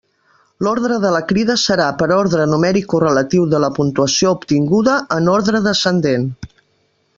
L'ordre de la crida serà per ordre numèric correlatiu de la puntuació obtinguda en ordre descendent.